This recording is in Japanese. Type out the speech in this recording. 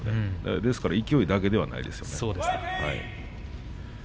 ですから勢いだけではないです。